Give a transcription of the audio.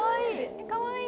かわいい。